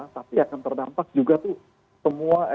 tapi akan terdampak juga tuh semua